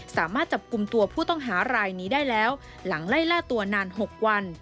สามารถจับกลุ่มตัวผู้ต้องหารายนี้ได้แล้วหลังไล่ล่าตัวนาน๖วัน